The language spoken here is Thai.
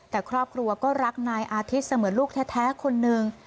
แต่ครอบครัวก็รักนายอาทิตย์เสมือนลูกแท้คนหนึ่ง